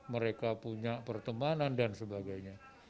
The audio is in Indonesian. mereka punya pertemanan dan sebagainya